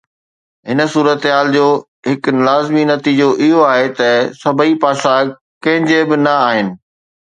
هن صورتحال جو هڪ لازمي نتيجو اهو آهي ته سڀئي پاسا ڪنهن جي به نه آهن.